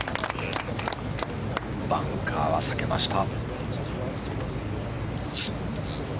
バンカーは避けました。